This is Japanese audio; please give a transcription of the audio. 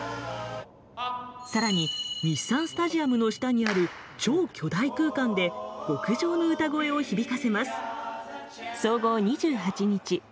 さらに日産スタジアムの下にある超巨大空間で極上の歌声を響かせます。